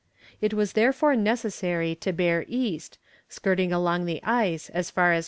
It was therefore necessary to bear east, skirting along the ice as far as W.